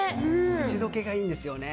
口溶けがいいんですよね